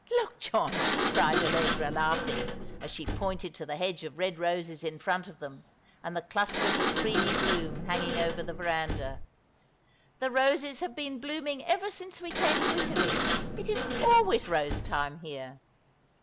" Look, John !" cried Allegra, laughing, as she pointed to the hedge of red roses in front of them, and the clusters of creamy bloom hanging over the verandah. " The roses have been^blooming ever since we came to Italy. It is always rose time here.